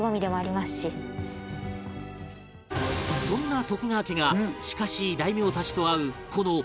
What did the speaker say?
そんな徳川家が近しい大名たちと会う